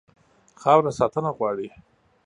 خاوره ساتنه غواړي.